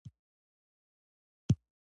ښه انجن سرعت زیاتوي.